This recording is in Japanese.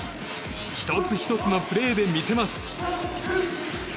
１つ１つのプレーで魅せます。